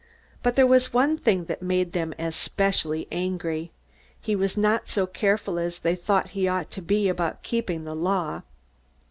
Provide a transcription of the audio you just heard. But there was one thing that made them especially angry. He was not so careful as they thought he ought to be about keeping the Law.